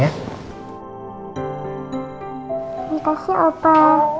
terima kasih opa